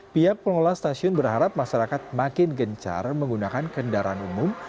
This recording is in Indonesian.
pihak pengelola stasiun berharap masyarakat makin gencar menggunakan kendaraan umum